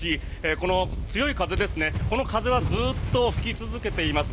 この強い風、この風はずっと吹き続けています。